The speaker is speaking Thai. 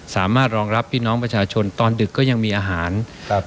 สามารถรองรับพี่น้องประชาชนตอนดึกก็ยังมีอาหารครับ